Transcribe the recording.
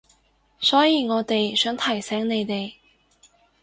所以我哋想提醒你哋